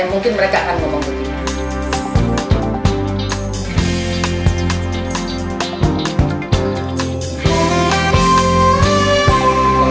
mungkin mereka akan ngomong begini